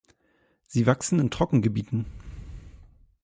Sie wachsen in Trockengebieten.